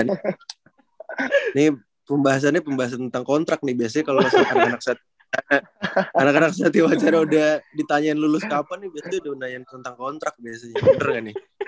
ini pembahasannya pembahasan tentang kontrak nih biasanya kalo masuk anak anak setiwacara udah ditanyain lulus kapan nih biasanya udah nanya tentang kontrak biasanya